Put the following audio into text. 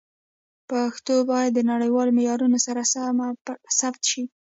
پښتو باید د نړیوالو معیارونو سره سم ثبت شي.